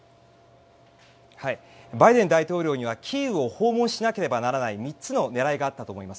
バイデン大統領にはキーウを訪問しなければならない３つの狙いがあったと思います。